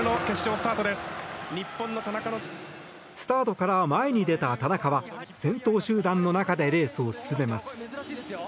スタートから前に出た田中は先頭集団の中でレースを進めます。